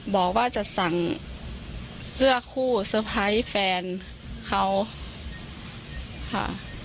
บอกว่าจะสั่งเสื้อคู่แฟนเขาค่ะ